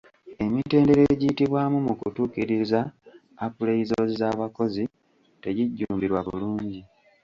Emitendera egiyitibwamu mu kutuukiriza appraisals z’abakozi tegijjumbirwa bulungi.